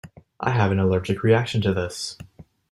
I have an allergic reaction to this.